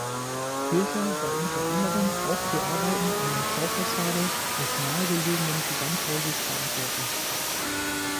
Kircher war unter anderem auch für Arbeiten an der Schaufassade des nahegelegenen Gewandhauses verantwortlich.